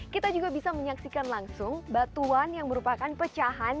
kita juga bisa menyaksikan langsung batuan yang merupakan pecahan